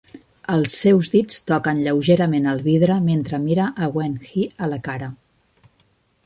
Els seus dits toquen lleugerament el vidre mentre mira a Wen He a la cara.